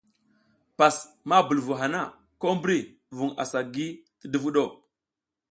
Pas ma bul vu hana, ko mbri vuƞ asa gi ti duvuɗ o.